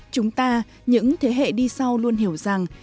chúng ta những thế hệ đi sau luôn hiểu rằng